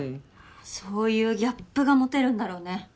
そういうギャップがモテるんだろうね。